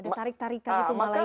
ada tarik tarikan itu malaikat ya